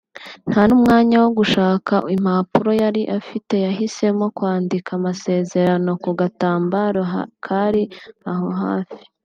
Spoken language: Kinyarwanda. nta n’umwanya wo gushaka impapuro yari afite yahisemo kwandika amasezerano ku gatambaro kari aho hafi